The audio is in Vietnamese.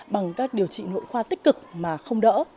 bằng các điều trị nội khoa tích cực mà không đỡ